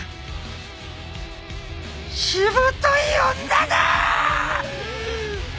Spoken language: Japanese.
しぶとい女だ！